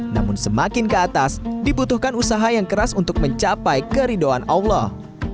namun semakin ke atas dibutuhkan usaha yang keras untuk mencapai keridoan allah